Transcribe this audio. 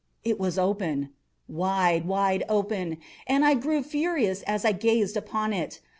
It was open—wide, wide open—and I grew furious as I gazed upon it.